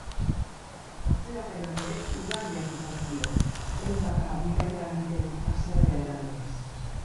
Atzerapenak ere ugariak izan ziren, ehundaka bidaiariren haserrea eraginez.